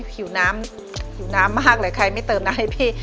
ผิวน้ำผิวน้ำมากเลยใครไม่เติมน้ำให้พี่